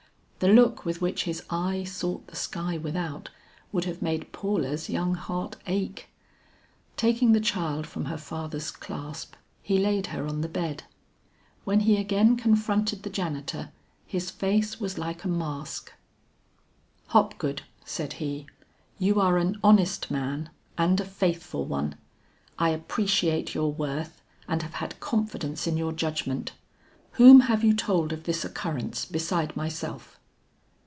The look with which his eye sought the sky without, would have made Paula's young heart ache. Taking the child from her father's clasp, he laid her on the bed. When he again confronted the janitor his face was like a mask. "Hopgood," said he, "you are an honest man and a faithful one; I appreciate your worth and have had confidence in your judgment. Whom have you told of this occurrence beside myself?"